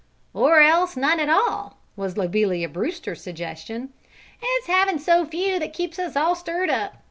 "Or else none at all!" was Lobelia Brewster's suggestion. "It's havin' so few that keeps us all stirred up.